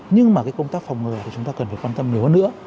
nhưng mà cái công tác phòng ngừa thì chúng ta cần phải quan tâm nhiều hơn nữa